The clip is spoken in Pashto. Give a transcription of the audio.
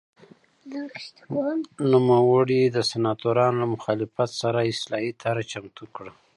نوموړي د سناتورانو له مخالفت سره اصلاحي طرحه چمتو کړه